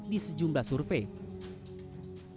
di sejumlah survei